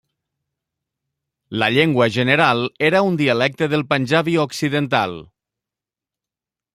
La llengua general era un dialecte del panjabi occidental.